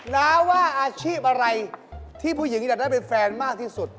น้าว่าอาชีพอะไรที่ผู้หญิงแบบนั้นเป็นแฟนมากที่สุด